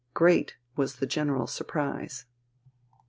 Great was the general surprise.